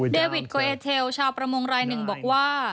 เดวิดโกเอเทลชาวประมงรายหนึ่งบอกว่า